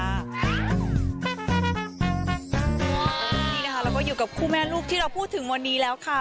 นี่นะคะเราก็อยู่กับคู่แม่ลูกที่เราพูดถึงวันนี้แล้วค่ะ